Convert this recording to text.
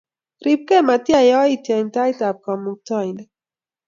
Ripkei matiyai yaityo eng' tait ap Kamuktaindet.